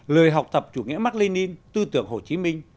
lời học tập chủ nghĩa maclennan tư tưởng hồ chí minh